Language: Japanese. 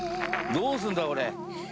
どうすんだこれ。